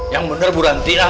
yang bener buranti lah